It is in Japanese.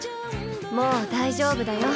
もう大丈夫だよ。